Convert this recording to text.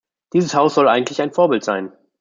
Dieses Haus soll eigentlich ein Vorbild sein.